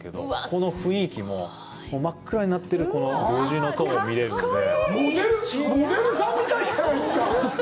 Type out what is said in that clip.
この雰囲気も真っ暗になってる五重の塔を見られるんで。